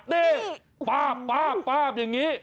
นี่ป๊าบป๊าบป๊าบอย่างนี้